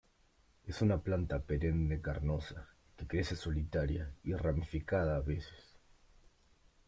Es una planta perenne carnosa que crece solitaria y ramificada a veces.